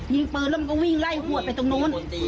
ยิงปืนแล้วมันก็วิ่งไล่หวดไปตรงนู้น